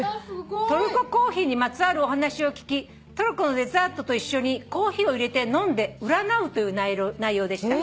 「トルココーヒーにまつわるお話を聞きトルコのデザートと一緒にコーヒーを入れて飲んで占うという内容でした」